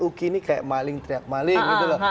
uki ini kayak maling teriak maling gitu loh